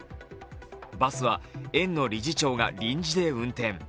バスは園の理事長が臨時で運転。